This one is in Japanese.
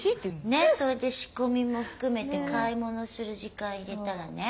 それで仕込みも含めて買い物する時間入れたらね。